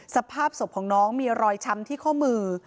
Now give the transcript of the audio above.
สภาพศพของน้องมีรอยช้ำที่ข้อมือ